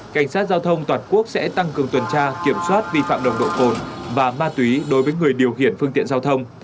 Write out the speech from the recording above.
cảnh sát giao thông toàn quốc sẽ tăng cường tuần tra kiểm soát vi phạm nồng độ cồn và ma túy đối với người điều khiển phương tiện giao thông